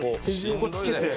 ここにつけて。